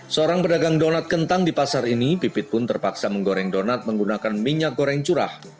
seorang pedagang donat kentang di pasar ini pipit pun terpaksa menggoreng donat menggunakan minyak goreng curah